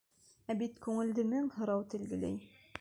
Ә бит күңелде мең һорау телгеләй...